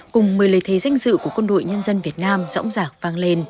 cùng một mươi lời thề danh dự của quân đội nhân dân việt nam rõ ràng